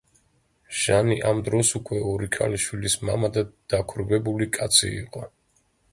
ჟანი ამ დროს უკვე ორი ქალიშვილის მამა და დაქვრივებული კაცი იყო.